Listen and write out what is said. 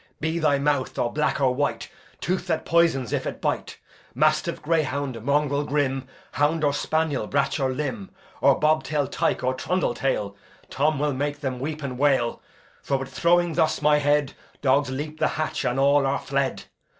Be thy mouth or black or white, Tooth that poisons if it bite; Mastiff, greyhound, mongrel grim, Hound or spaniel, brach or lym, Bobtail tyke or trundle tall Tom will make them weep and wail; For, with throwing thus my head, Dogs leap the hatch, and all are fled.